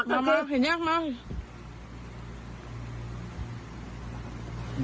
มามาเห็นยังไหม